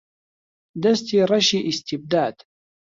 دەستی ڕەشی ئیستیبداد